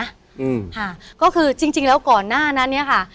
ค่ะก็คือจริงแล้วก่อนหน้านี้ค่ะ